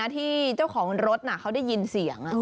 ที่เจ้าของรถเขาได้ยินเสียง